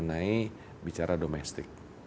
mengenai bicara domestik